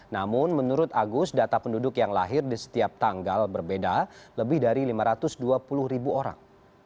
namun menurut agus data penduduk yang lahir di setiap tanggal berbeda lebih dari lima ratus dua puluh ribu orang